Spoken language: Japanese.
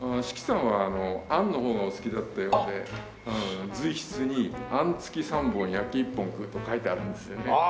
子規さんはあんのほうがお好きだったようで随筆にあん付き３本焼き１本と書いてあるんですよね。